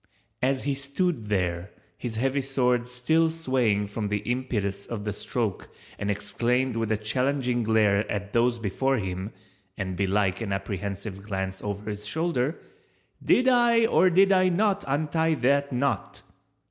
As he stood there, his heavy sword still swaying from the impetus of the stroke and exclaimed with a challenging glare at those before him (and belike an apprehensive glance over his shoulder), "Did I or did I not untie that knot?"